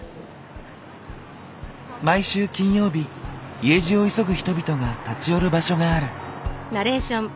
毎週金曜日家路を急ぐ人々が立ち寄る場所がある。